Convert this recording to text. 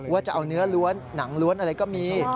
ว่าจะเอาเนื้อล้วนหนังล้วนอะไรก็มี